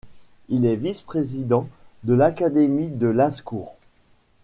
Il est vice-président de l'Académie de Lascours.